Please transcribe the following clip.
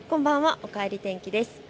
おかえり天気です。